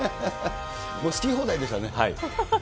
もう好き放題でしたね。